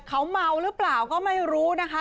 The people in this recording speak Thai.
เขาเมาหรือเปล่าก็ไม่รู้นะคะ